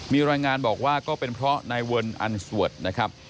มีรายงานบอกว่าก็เป็นเพราะนายเวิร์นอันสวดนะครับ